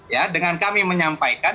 ya dengan kami menyampaikan